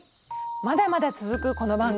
まだまだ続くこの番組。